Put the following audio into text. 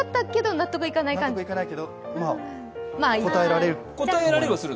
納得いかないけど、まあ答えられる。